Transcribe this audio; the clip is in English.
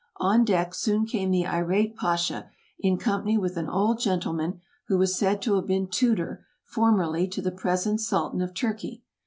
On deck soon came the irate Pasha, in company with an old gentleman who was said to have been tutor, formerly, to the present Sultan of Turkey.